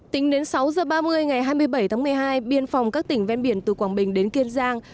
tính đến sáu giờ ba mươi ngày hai mươi bảy tháng một mươi hai biên phòng các tỉnh ven biển từ quảng bình đến kiên giang